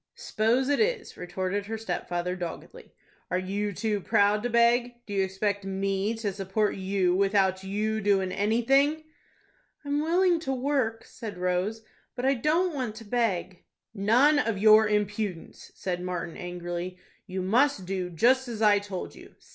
"S'pose it is," retorted her stepfather, doggedly. "Are you too proud to beg? Do you expect me to support you without you doin' anything?" "I'm willing to work," said Rose, "but I don't want to beg." "None of your impudence!" said Martin, angrily. "You must do just as I told you.